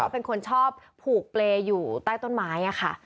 เป็นคนชอบผูกเปรย์อยู่ใต้ต้นไม้ค่ะ